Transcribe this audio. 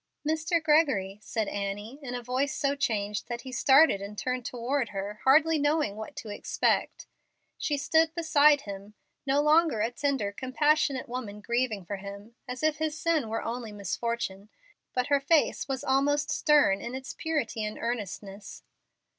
"Mr. Gregory," said Annie, in a voice so changed that he started and turned toward her hardly knowing what to expect. She stood beside him, no longer a tender, compassionate woman grieving for him, as if his sin were only misfortune, but her face was almost stern in its purity and earnestness.